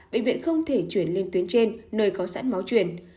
bệnh viện không thể chuyển lên tuyến trên nơi có sẵn máu chuyển